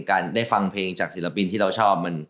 การได้ฟังเพลงจากศิลปินที่เราชอบ